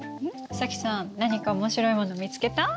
早紀さん何か面白いもの見つけた？